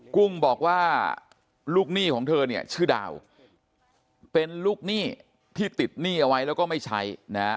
กุ้งบอกว่าลูกหนี้ของเธอเนี่ยชื่อดาวเป็นลูกหนี้ที่ติดหนี้เอาไว้แล้วก็ไม่ใช้นะฮะ